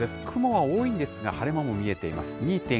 雲は多いですが、晴れ間も見えています。